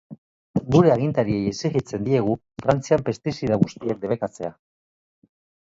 Gure agintariei exijitzen diegu Frantzian pestizida guztiak debekatzea.